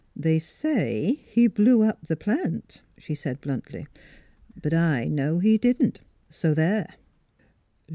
' They say he blew up the plant," she said bluntly. " But I know he didn't; so there!